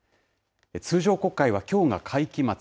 通常国会はきょうが会期末。